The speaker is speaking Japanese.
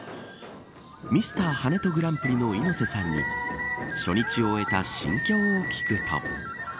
ミスター跳人グランプリの猪瀬さんに初日を終えた心境を聞くと。